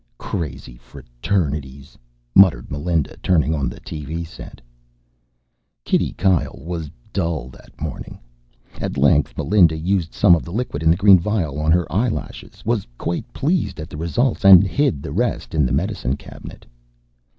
"Crazy fraternities," muttered Melinda, turning on the TV set. Kitty Kyle was dull that morning. At length Melinda used some of the liquid in the green vial on her eyelashes, was quite pleased at the results, and hid the rest in the medicine cabinet.